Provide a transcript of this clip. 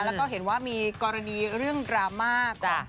แล้วก็เห็นว่ามีกรณีเรื่องดราม่าก่อน